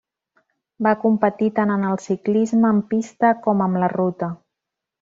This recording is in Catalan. Va competir tant en el ciclisme en pista com amb la ruta.